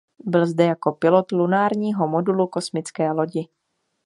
Byl zde jako pilot lunárního modulu kosmické lodi.